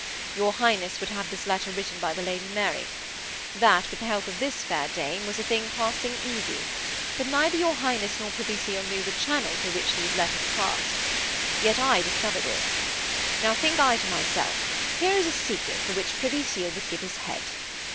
'Your Highness would have this letter written by the Lady Mary. That, with the help of this fair dame, was a thing passing easy. But neither your Highness nor Privy Seal knew the channel through which these letters passed. Yet I discovered it. Now, think I to myself: here is a secret for which Privy Seal would give his head.